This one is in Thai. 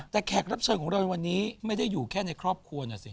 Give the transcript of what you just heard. แต่แขกรับเชิญของเราในวันนี้ไม่ได้อยู่แค่ในครอบครัวนะสิ